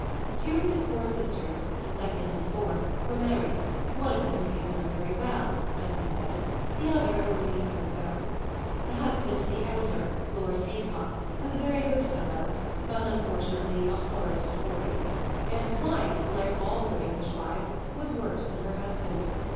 Two of his four sisters, the second and fourth, were married, one of them having done very well, as they said, the other only so so. The husband of the elder, Lord Haycock, was a very good fellow, but unfortunately a horrid Tory; and his wife, like all good English wives, was worse than her husband.